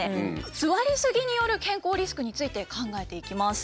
座りすぎによる健康リスクについて考えていきます。